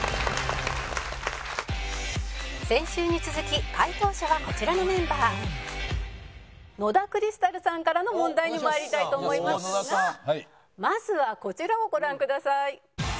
先週に続き解答者はこちらのメンバー野田クリスタルさんからの問題に参りたいと思いますがまずはこちらをご覧ください。